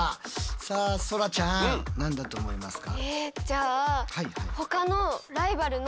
さあそらちゃん何だと思いますか？